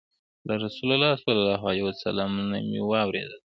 له رسول الله صلى الله عليه وسلم نه مي واورېدل